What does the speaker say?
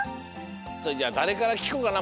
それじゃあだれからきこうかな。